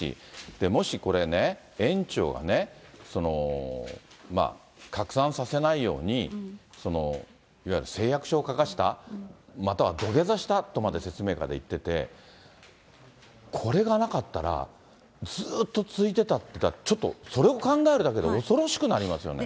もしこれね、園長がね、拡散させないように、いわゆる誓約書を書かせた、または土下座したとまで説明会で言ってて、これがなかったら、ずっと続いてたっていうか、ちょっとそれを考えるだけで恐ろしくなりますよね。